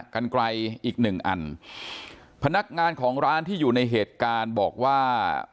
กันไกลอีกหนึ่งอันพนักงานของร้านที่อยู่ในเหตุการณ์บอกว่า